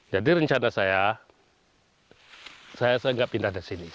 jadi rencana saya saya nggak pindah ke sini